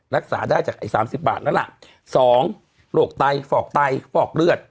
รักษาได้จากไอ้สามสิบบาทนั่นล่ะสองโรคไตฟอกไตฟอกเลือด